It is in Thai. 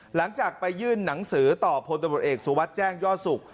หลังจากไปยื่นหนังสือต่อพลตำรวจเอกสุวัสดิ์แจ้งยอดสุข